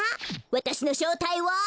わたしのしょうたいは。